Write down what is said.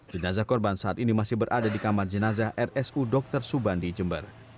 jenazah korban saat ini masih berada di kamar jenazah rsu dr subandi jember